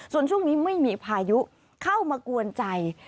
ส่วนช่วงนี้ไม่มีพายุเข้ามากวนใจ